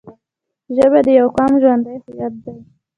ژبه د یوه قوم ژوندی هویت دی